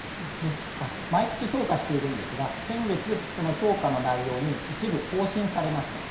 毎月、評価しているんですが、先月、この評価の内容に、一部更新されました。